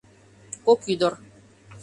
КОК ӰДЫР